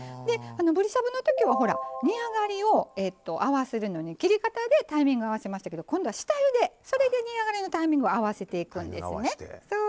ぶりしゃぶのときは煮上がりを合わせるのに、切り方でタイミングを合わせましたけど今度は下ゆで、それで煮上がりのタイミングを合わせていくんですね。